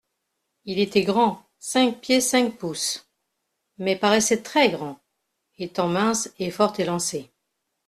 Il était grand (cinq pieds cinq pouces) mais paraissait très-grand, étant mince et fort élancé.